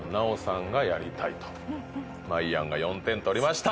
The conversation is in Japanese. まいやんが４点取りました！